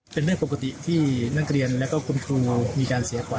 เป็นเรื่องปกติที่นักเรียนแล้วก็คุณครูมีการเสียขวัญ